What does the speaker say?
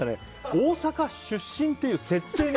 大阪出身っていう設定。